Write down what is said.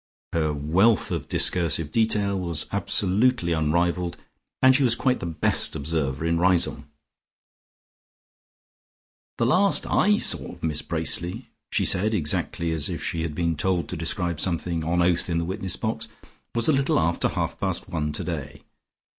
Her wealth of discursive detail was absolutely unrivalled, and she was quite the best observer in Riseholme. "The last I saw of Miss Bracely," she said exactly as if she had been told to describe something on oath in the witness box, "was a little after half past one today.